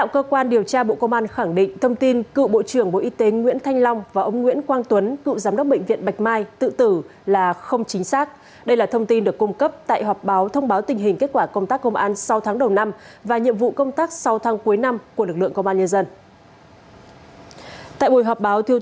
các bạn hãy đăng ký kênh để ủng hộ kênh của chúng mình nhé